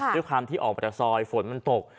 ด้วยความที่ออกมาจากซอยฝนมันตก